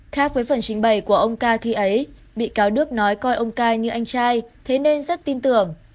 khác với phần trình bày của ông ca khi ấy bị cáo đức nói coi ông ca như anh trai thế nên rất tin tưởng